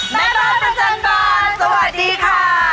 แม่บ้านประจำบานสวัสดีค่ะ